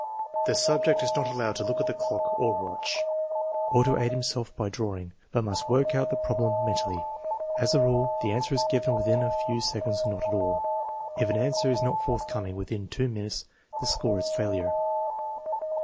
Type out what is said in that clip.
The subject is not allowed to look at a clock or watch, or to aid himself by drawing, but must work out the prob lem mentally. As a rule the answer is given within a few seconds or not at all. If an answer is not forthcoming within two minutes the score is failure.